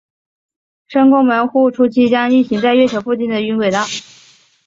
深空门户初期将运行在月球附近的晕轨道。